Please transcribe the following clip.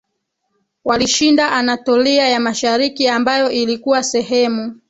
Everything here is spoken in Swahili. walishinda Anatolia ya Mashariki ambayo ilikuwa sehemu